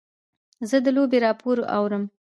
زه د لوبې راپور اورم.